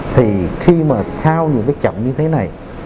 thì khi mà theo những cái chậm như thế này